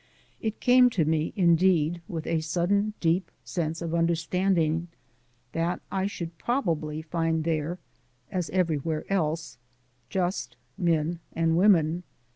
It came to me, indeed, with a sudden deep sense of understanding, that I should probably find there, as everywhere else, just men and women.